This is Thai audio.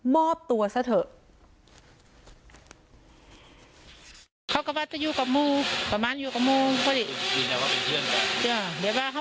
มอบตัวซะเถอะ